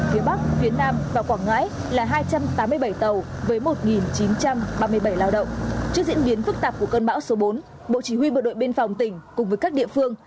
trước diễn biến phức tạp của cơn bão số bốn bộ chỉ huy bộ đội bên phòng tỉnh cùng với các địa phương